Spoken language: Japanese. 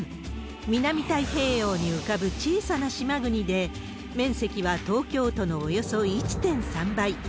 南太平洋に浮かぶ小さな島国で、面積は東京都のおよそ１．３倍。